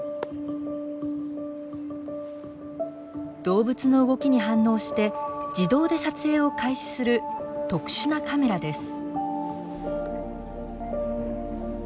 動物の動きに反応して自動で撮影を開始する特殊なカメラです。